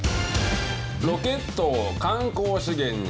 ロケットを観光資源に。